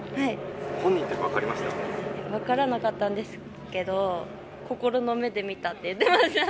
本人っていうの、分からなかったんですけど、心の目で見たって言ってました。